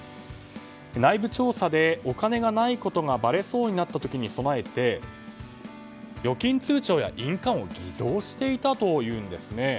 内部調査でお金がないことがばれそうになったことに備えて預金通帳や印鑑を偽造していたというんですね。